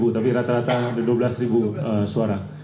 tapi rata rata ada dua belas suara